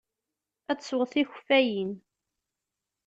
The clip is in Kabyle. Ad tesweḍ tikeffayin.